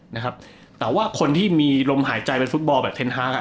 นะครับแต่ว่าคนที่มีลมหายใจเป็นฟุตบอลแบบเทนฮาร์กอ่ะ